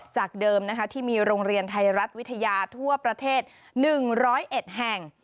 จากเดิมนะคะที่มีโรงเรียนไทยรัฐวิทยาทั่วประเทศ๑๐๑แห่ง